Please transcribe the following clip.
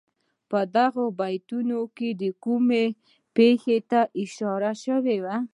په دغو بیتونو کې کومو پېښو ته اشاره شوې.